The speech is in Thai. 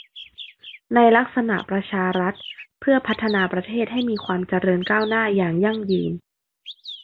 ในลักษณะประชารัฐเพื่อพัฒนาประเทศให้มีความเจริญก้าวหน้าอย่างยั่งยืน